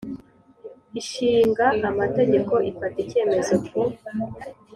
Ishinga Amategeko ifata icyemezo ku